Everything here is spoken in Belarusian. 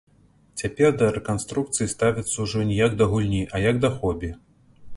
Цяпер да рэканструкцыі ставяцца ўжо не як да гульні, а як да хобі.